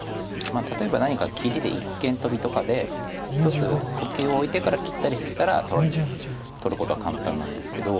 例えば何か切りで一間トビとかで一つ呼吸を置いてから切ったりしたら取ることは簡単なんですけど。